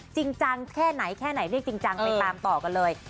จริงจังแค่ไหนเลขจริงจังไปตามต่อกันเลย